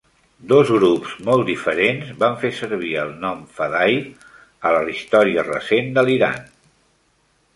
Dos grups molt diferents van fer servir el nom "fedaí" a la història recent de l'Iran.